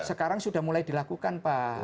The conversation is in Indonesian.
sekarang sudah mulai dilakukan pak